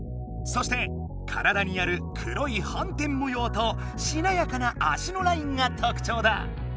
そして体にある黒いはん点もようとしなやかな足のラインがとくちょうだ。